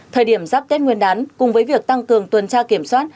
thời điểm giáp tết nguyên đán cùng với việc tăng cường tuần tra kiểm soát